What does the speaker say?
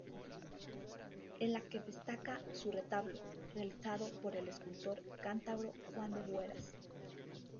En la que destaca su retablo, realizado por el escultor cántabro Juan de Bueras.